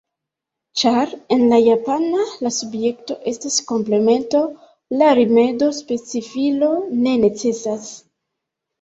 Ĉar, en la japana, la subjekto estas komplemento, la rimedo specifilo ne necesas.